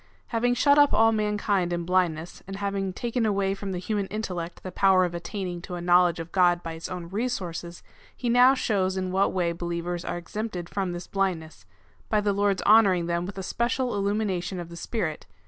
Having shut up all mankind in blindness, and having taken away from the human intellect the power of attaining to a knowledge of God by its own resources, he now shows in what way be lievers are exempted from this blindness, — by the Lord's honouring them with a special illumination of the Spirit.